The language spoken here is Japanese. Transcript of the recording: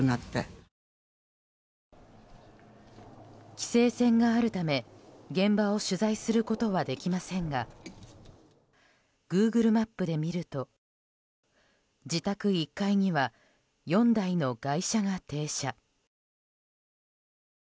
規制線があるため、現場を取材することはできませんがグーグルマップで見ると自宅１階には４台の外車が停車。